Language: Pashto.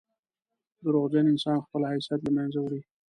• دروغجن انسان خپل حیثیت له منځه وړي.